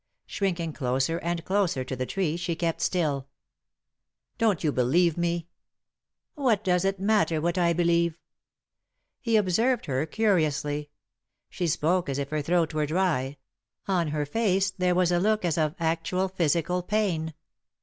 Shrink ing closer and closer to the tree, she kept still " Don't you believe me ?"" What does it matter what I believe ?" He observed her curiously. She spoke as if her throat were dry ; on her face there was a look as of actual physical pain.